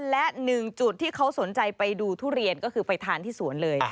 และหนึ่งจุดที่เขาสนใจไปดูทุเรียนก็คือไปทานที่สวนเลย